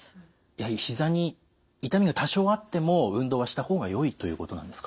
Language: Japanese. やはりひざに痛みが多少あっても運動はした方がよいということなんですか？